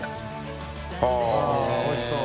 呂繊おいしそう。